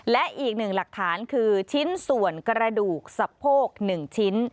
และอีกหนึ่งหลักฐานคือชิ้นส่วนกระดูกสะโพก๑ชิ้น